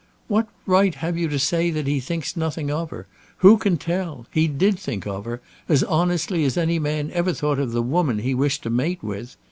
"What right have you to say that he thinks nothing of her? Who can tell? He did think of her, as honestly as any man ever thought of the woman he wished to mate with.